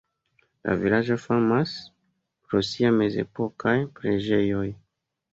La vilaĝo famas pro siaj mezepokaj preĝejoj.